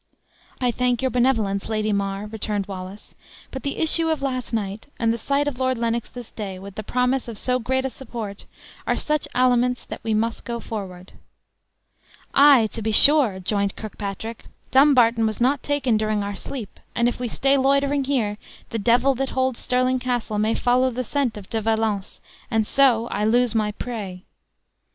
"I thank your benevolence, Lady Mar," returned Wallace; "but the issue of last night, and the sight of Lord Lennox this day, with the promise of so great a support, are such aliments that we must go forward." "Ay, to be sure," joined Kirkpatrick; "Dumbarton was not taken during our sleep; and if we stay loitering here, the devil that holds Stirling Castle may follow the scent of De Valence; and so I lose my prey!"